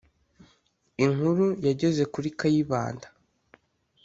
inkuru yageze kuri kayibanda